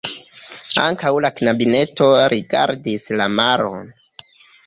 Ankaŭ la knabineto rigardis la maron.